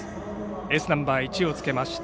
エースナンバー１を着けました